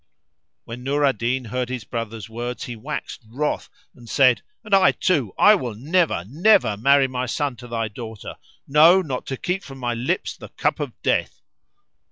When Nur al Din heard his brother's words he waxed wroth and said, "And I too, I will never, never marry my son to thy daughter; no, not to keep from my lips the cup of death."